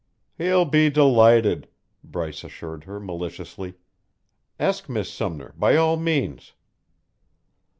"He'll be delighted," Bryce assured her maliciously. "Ask Miss Sumner, by all means."